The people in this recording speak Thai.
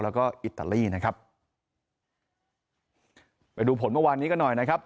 แล้วก็อิตาลีนะครับไปดูผลเมื่อวานนี้ก็หน่อยนะครับ